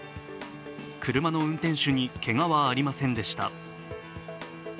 車の運転手にけがはありませんでした。